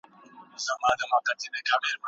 پښتنه